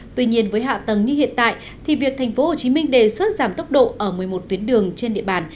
tuy nhiên với hạ tầng như hiện tại thì việc tp hcm đề xuất giảm tốc độ ở một mươi một tuyến đường trên địa bàn